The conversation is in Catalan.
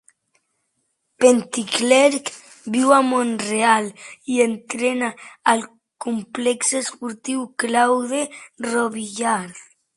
Petitclerc viu a Mont-real, i entrena al Complexe esportiu Claude-Robillard.